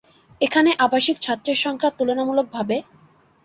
এখানে আবাসিক ছাত্রের সংখ্যা তুলনামূলকভাবে।